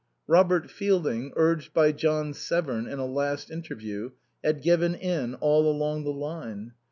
Robert Fielding, urged by John Severn in a last interview, had given in all along the line.